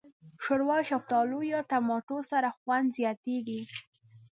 ښوروا د شفتالو یا ټماټو سره خوند زیاتیږي.